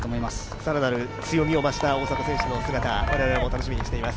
更なる強みを増した大迫選手の姿、我々も楽しみにしています。